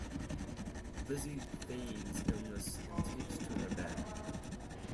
Lizzie feigns illness and takes to her bed.